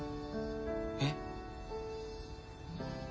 えっ？